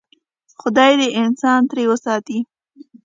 خدای دې انسان ترې وساتي.